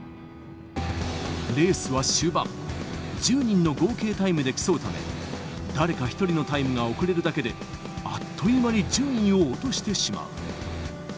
レースは終盤、１０人の合計タイムで競うため、誰か１人のタイムが遅れるだけで、あっという間に順位を落としてしまう。